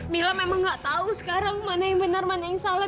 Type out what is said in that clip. mila memang nggak tahu sekarang mana yang benar mana yang salah